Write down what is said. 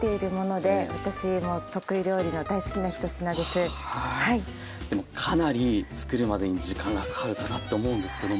でもかなり作るまでに時間がかかるかなって思うんですけども。